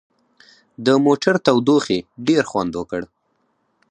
د موټر تودوخې ډېر خوند وکړ.